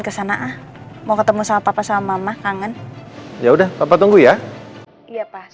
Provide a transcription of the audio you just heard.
biar pembicaraannya nggak kedengaran dari luar